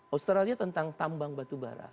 australia tentang tambang batu bara